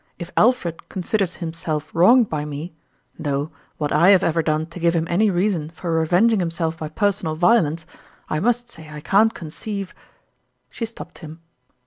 If Alfred considers himself wronged by me though, what I have ever done to give him any reason for revenging himself by personal violence, I must say I can't conceive " She stopped him.